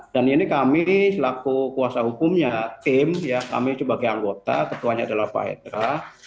dan ini kami selaku kuasa hukumnya tim kami sebagai anggota ketuanya adalah pak hendra